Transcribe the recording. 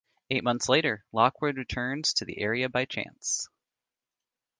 Eight months later, Lockwood returns to the area by chance.